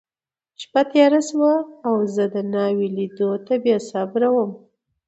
شپه تېره شوه، او زه د ناوې لیدو ته بېصبره وم.